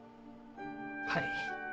はい。